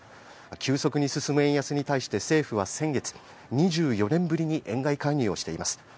急速に進む円安に対して政府は先月２４年ぶりに円買い介入をしています。